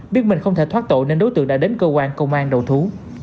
biết mình không thể thoát tội nên đối tượng đã đến cơ quan công an đầu thú